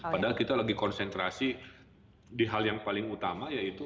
padahal kita lagi konsentrasi di hal yang paling utama yaitu